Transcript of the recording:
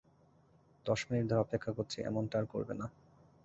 দশ মিনিট ধরে অপেক্ষা করছি, এমনটা আর করবে না।